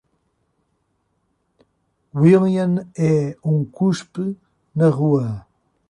William é um cuspe na rua.